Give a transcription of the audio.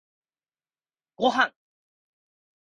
ごはん